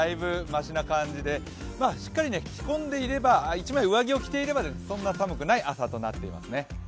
ましな感じでしっかり着込んでいれば１枚上着を着ていればそんな寒くない朝となっていますね。